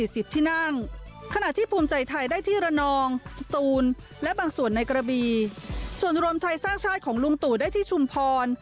สตูนและบางส่วนในกระบีส่วนรมไทยสร้างชาติของลุงตู่ได้ที่ชุมพร